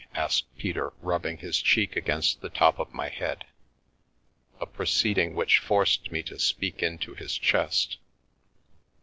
" asked Peter, rubbing his cheek against the top of my head, a proceeding which forced me to speak in to his chest.